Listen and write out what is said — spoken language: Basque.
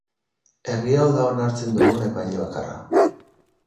Herri hau da onartzen dugun epaile bakarra.